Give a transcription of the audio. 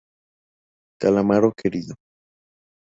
Calamaro querido!